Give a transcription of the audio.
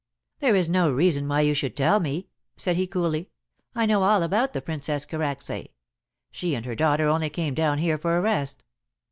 "There is no reason why you should tell me," said he coolly. "I know all about the Princess Karacsay. She and her daughter only came down here for a rest."